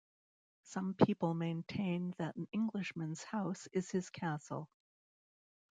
Some people maintain that an Englishman’s house is his castle.